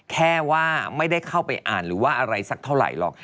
แค่ว่าไม่ได้เข้าไปอ่านหรือว่าอะไรสักเท่าไหร่หรอก